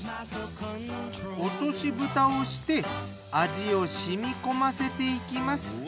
落とし蓋をして味を染み込ませていきます。